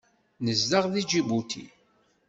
Nezdeɣ deg Ǧibuti.